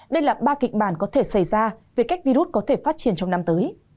đây là ba kịch bản có thể xảy ra về cách virus có thể phát triển trong năm tới